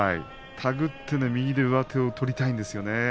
手繰って右で上手を取りたいんですよね。